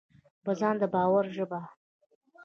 په ځان د باور ژبه: